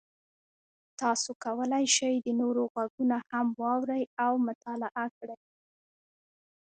تاسو کولی شئ د نورو غږونه هم واورئ او مطالعه کړئ.